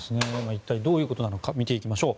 一体、どういうことなのか見ていきましょう。